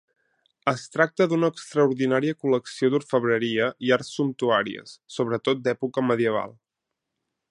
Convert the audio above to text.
Es tracta d'una extraordinària col·lecció d'orfebreria i arts sumptuàries, sobretot d'època medieval.